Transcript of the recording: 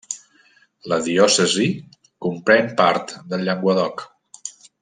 La diòcesi comprèn part del Llenguadoc.